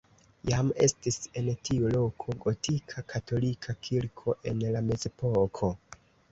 Jam estis en tiu loko gotika katolika kirko en la mezepoko.